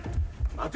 待て。